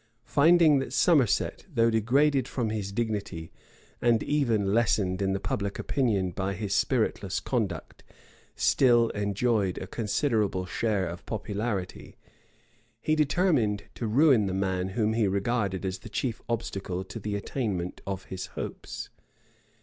Finding that Somerset, though degraded from his dignity, and even lessened in the public opinion by his spiritless conduct, still enjoyed a considerable share of popularity, he determined to ruin the man whom he regarded as the chief obstacle to the attainment of his hopes.